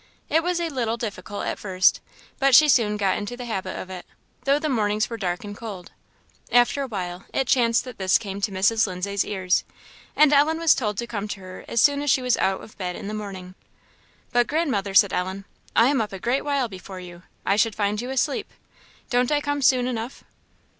It was a little difficult at first, but she soon got into the habit of it, though the mornings were dark and cold. After a while it chanced that this came to Mrs. Lindsay's ears, and Ellen was told to come to her as soon as she was out of bed in the morning. "But Grandmother," said Ellen, "I am up a great while before you; I should find you asleep; don't I come soon enough?"